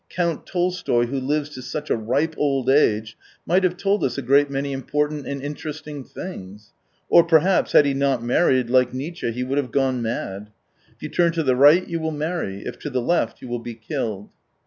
Count Tolstoy, who lives to such a ripe old age, might have told us a great many important and interesting things. ... Or, perhaps, had he not married, like Nietszche he would have gone mad. "If you turn to the right, you will marry, if to the left, you will be killed."